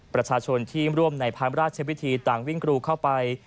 ประชาชนที่ร่วมในพระราชวิธีต่างวิ่งกรูเข้าไป